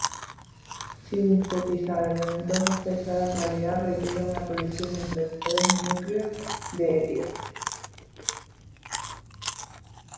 Sintetizar elementos más pesados en realidad requiere una colisión entre tres núcleos de helio.